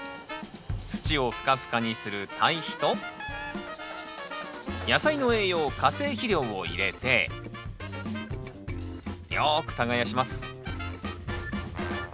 土をふかふかにする堆肥と野菜の栄養化成肥料を入れてよく耕します